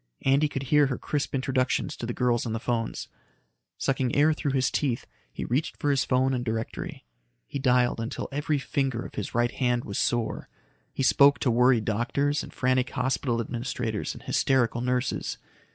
Andy could hear her crisp instructions to the girls on the phones. Sucking air through his teeth, he reached for his phone and directory. He dialed until every finger of his right hand was sore. He spoke to worried doctors and frantic hospital administrators and hysterical nurses.